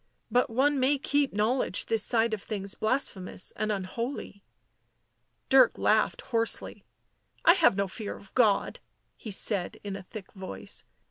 " But one may keep knowledge this side of things blasphemous and unholy." Dirk laughed hoarsely. " I have no fear of God!" he said in a thick voice.